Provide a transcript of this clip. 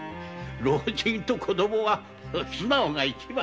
老人と子供は素直が一番。